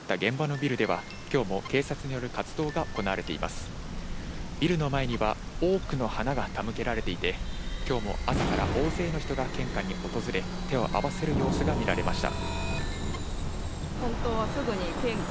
ビルの前には多くの花が手向けられていて、今日も朝から大勢の人が献花に訪れ、手を合わせる様子が見られました。